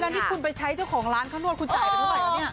นี่คุณไปใช้เจ้าของร้านข้าวนวดคุณจ่ายไปเท่าไหร่แล้วเนี่ย